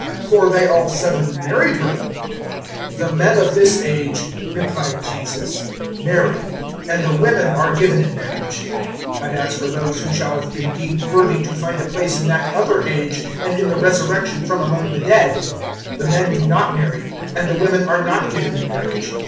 for they all seven married her." 020:034 "The men of this age," replied Jesus, "marry, and the women are given in marriage. 020:035 But as for those who shall have been deemed worthy to find a place in that other age and in the Resurrection from among the dead, the men do not marry and the women are not given in marriage.